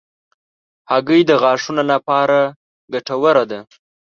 هګۍ د غاښونو لپاره مفیده ده.